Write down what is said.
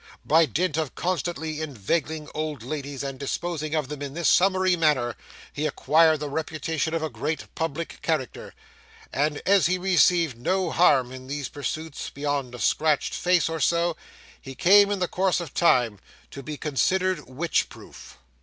By dint of constantly inveigling old ladies and disposing of them in this summary manner, he acquired the reputation of a great public character; and as he received no harm in these pursuits beyond a scratched face or so, he came, in the course of time, to be considered witch proof.